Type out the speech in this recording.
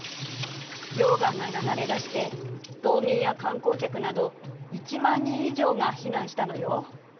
溶岩が流れ出して島民や観光客など１万人以上が避難したのよ。